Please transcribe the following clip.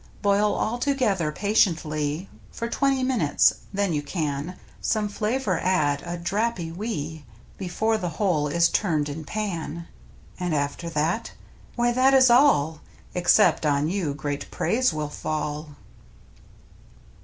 Boil all together patiently For twenty minutes, then you can Some flavor add — "a drappie wee —" Before the whole is turned in pan. And after that? Why, that is all, Except on you great praise will fall.